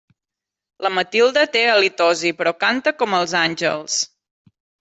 La Matilde té halitosi, però canta com els àngels.